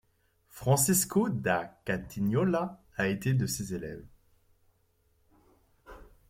Francesco da Cotignola a été de ses élèves.